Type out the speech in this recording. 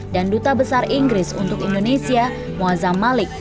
dan duta besar inggris untuk indonesia muazzam malik